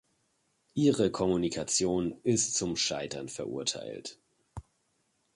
Ihre Kommunikation ist zum Scheitern verurteilt.